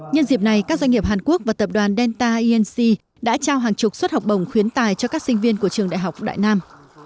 nhân dịp này các doanh nghiệp hàn quốc và tập đoàn delta inc đã trao hàng chục suất học bổng khuyến tài cho các sinh viên của trường đại học đại nam